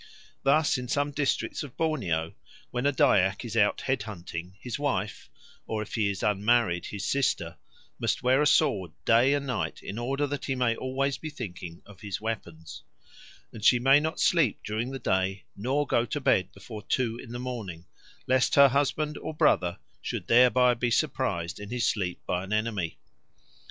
Thus in some districts of Borneo, when a Dyak is out head hunting, his wife or, if he is unmarried, his sister must wear a sword day and night in order that he may always be thinking of his weapons; and she may not sleep during the day nor go to bed before two in the morning, lest her husband or brother should thereby be surprised in his sleep by an enemy.